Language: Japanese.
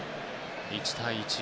１対１。